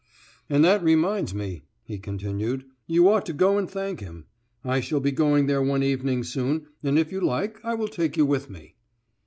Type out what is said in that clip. "And that reminds me," he continued, "you ought to go and thank him. I shall be going there one evening soon, and if you like I will take you with me."